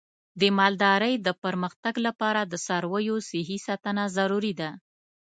د مالدارۍ د پرمختګ لپاره د څارویو صحي ساتنه ضروري ده.